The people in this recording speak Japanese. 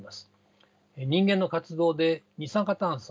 人間の活動で二酸化炭素